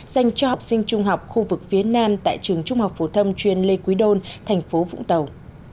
dành cho học sinh trung học khu vực phía nam tại trường trung học phổ thông chuyên lê quý đôn thành phố vũng tàu